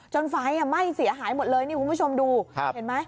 ไฟไหม้เสียหายหมดเลยนี่คุณผู้ชมดูเห็นไหม